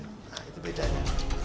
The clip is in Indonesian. nah itu bedanya